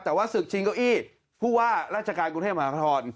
แต่ว่าศึกชิงเก้าอี้ผู้ว่าราชการกรุงเทพมหานคร